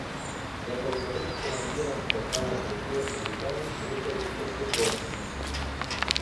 За полковым командиром с бокалом в руке, улыбаясь, вышел и Серпуховской.